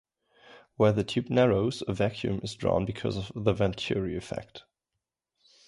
Where the tube narrows, a vacuum is drawn because of the Venturi effect.